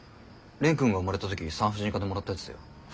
蓮くんが生まれた時産婦人科でもらったやつだよ。